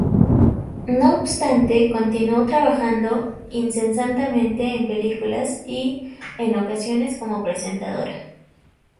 No obstante, continuó trabajando incesantemente en películas y, en ocasiones, como presentadora.